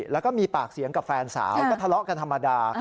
แล้วก็มีปากเสียงกับแฟนสาวก็ทะเลาะกันธรรมดา